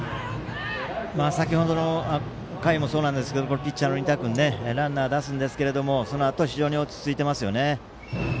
先ほどの回もそうなんですけどピッチャーの仁田君ランナー出すんですけれどもそのあと非常に落ち着いてますね。